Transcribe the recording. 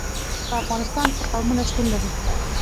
په افغانستان کې قومونه شتون لري.